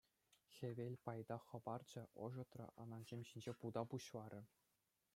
Хӗвел пайтах хӑпарчӗ, ӑшӑтрӗ, анасем ҫинче пута пуҫларӗ.